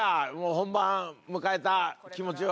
本番迎えた気持ちは。